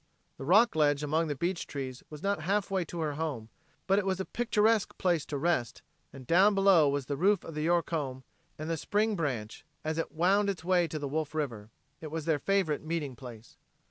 The rock ledge among the beech trees was not half way to her home, but it was a picturesque place to rest, and down below was the roof of the York home and the spring branch, as it wound its way to the Wolf River. It was their favorite meeting place.